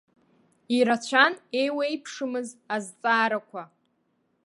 Ирацәан еиуеиԥшымыз азҵаарақәа.